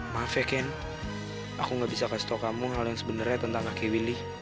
maaf ya ken aku nggak bisa kasih tau kamu hal yang sebenarnya tentang kakek willy